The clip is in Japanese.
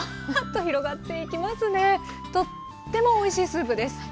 とってもおいしいスープです。